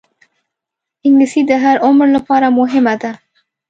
انګلیسي د هر عمر لپاره مهمه ده